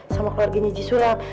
sama keluarganya jisulang